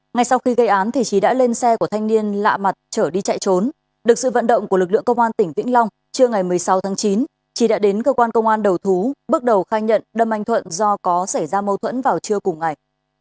ngay sau khi gây án trí đã lên xe của thanh niên lạ mặt trở đi chạy trốn được sự vận động của lực lượng công an tỉnh vĩnh long trưa ngày một mươi sáu tháng chín trí đã đến cơ quan công an đầu thú bước đầu khai nhận đâm anh thuận do có xảy ra mâu thuẫn vào trưa cùng ngày